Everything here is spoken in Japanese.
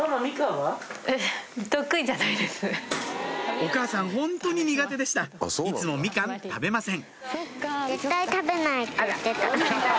お母さんホントに苦手でしたいつもみかん食べません